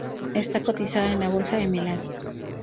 Está cotizada en la Bolsa de Milán.